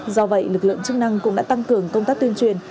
do vậy lực lượng chức năng cũng đã tăng cường công tác tuyên truyền